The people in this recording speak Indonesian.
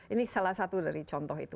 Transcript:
ini salah satu dari contoh itu